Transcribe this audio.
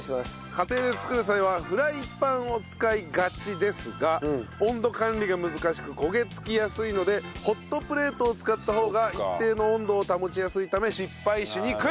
家庭で作る際はフライパンを使いがちですが温度管理が難しく焦げ付きやすいのでホットプレートを使った方が一定の温度を保ちやすいため失敗しにくい。